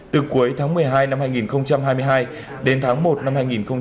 từ cuối tháng một mươi hai năm hai nghìn hai mươi hai đến tháng một năm hai nghìn hai mươi